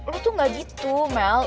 lo tuh ga gitu mel